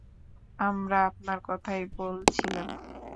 আমরা আপনার কথাই বলছিলেম।